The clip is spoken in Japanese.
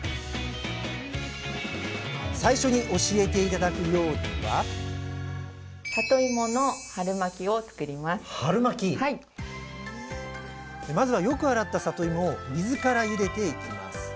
最初に教えて頂く料理はまずはよく洗ったさといもを水からゆでていきます。